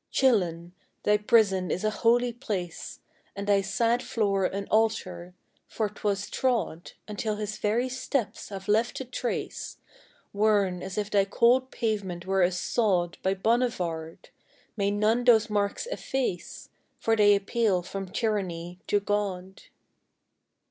Chillon! thy prison is a holy place, And thy sad floor an altar, for 't was trod, Until his very steps have left a trace Worn, as if thy cold pavement were a sod, By Bonnivard! May none those marks efface! For they appeal from tyranny to God.